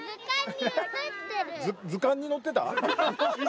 図鑑に載ってた？